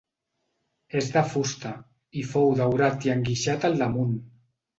És de fusta, i fou daurat i enguixat al damunt.